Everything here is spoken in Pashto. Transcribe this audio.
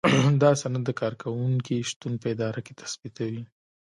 دا سند د کارکوونکي شتون په اداره کې تثبیتوي.